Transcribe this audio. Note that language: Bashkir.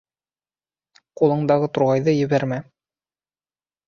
Ҡулындағы турғайҙы ебәрмә.